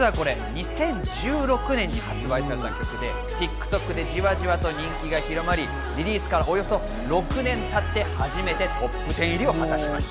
２０１６年に発売された曲でＴｉｋＴｏｋでじわじわ人気が広がり、リリースからおよそ６年経って、初めてトップ１０入りを果たしました。